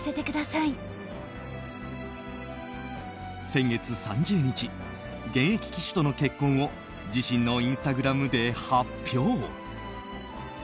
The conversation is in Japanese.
先月３０日現役騎手との結婚を自身のインスタグラムで発表。